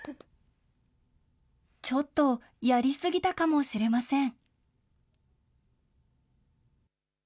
ちょっとやり過ぎたかもしれません。